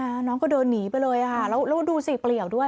น้องก็เดินหนีไปเลยค่ะแล้วแล้วดูสิเปลี่ยวด้วย